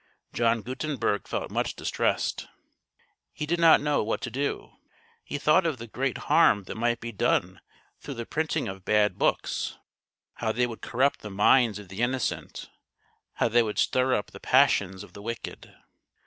John Gutenberg felt much distressed. He did not know what to do. He thought of the great harm that might be done through the printing of bad books — how they would corrupt the minds of the innocent, how they would stir up the passions of the wicked.